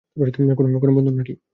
কোন বন্ধু না কী?